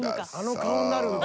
［あの顔になるんだ］